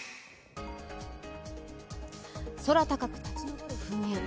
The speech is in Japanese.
空高く立ち上る噴煙。